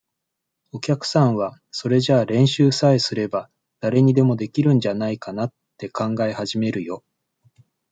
お客さんは、それじゃあ練習さえすれば、誰にでも出来るんじゃないかなっ、て考え始めるよ。